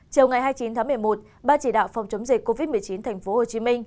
chiều ngày hai mươi chín tháng một mươi một ban chỉ đạo phòng chống dịch covid một mươi chín tp hcm